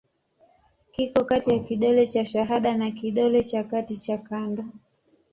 Kiko kati ya kidole cha shahada na kidole cha kati cha kando.